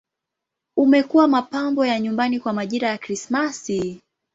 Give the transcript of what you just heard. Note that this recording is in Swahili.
Umekuwa mapambo ya nyumbani kwa majira ya Krismasi.